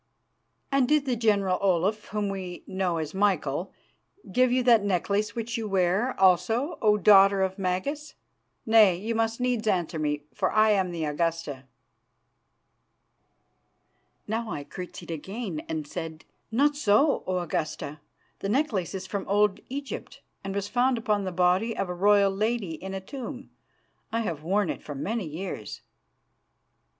"'And did the General Olaf, whom we know as Michael, give you that necklace which you wear, also, O Daughter of Magas? Nay, you must needs answer me, for I am the Augusta.' "Now I curtsied again, and said: "'Not so, O Augusta; the necklace is from Old Egypt, and was found upon the body of a royal lady in a tomb. I have worn it for many years.